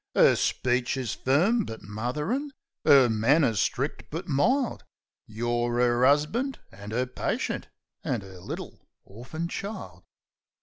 'Er speech is firm, but motherin' ; 'er manners strict, but mild: Yer 'er 'usban', an' 'er patient, an' 'er little orphin child.